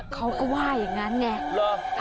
เขาก็ว่าอย่างนั้นไง